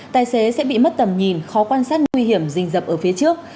tài xế sẽ bị mất tầm nhìn khó quan sát nguy hiểm rình dập ở phía trước